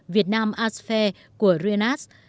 việt nam arts fair của rien arts